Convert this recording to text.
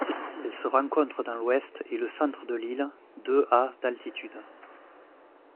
Elle se rencontre dans l'Ouest et le centre de l'île de à d'altitude.